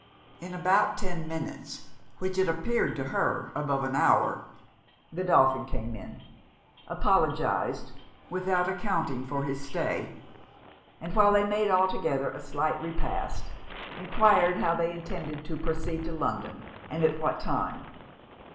In about ten minutes, which had appeared to her above an hour, Godolphin came in; apologised, without accounting, for his stay, and while they made all together a slight repast, enquired how they intended to proceed to London and at what time.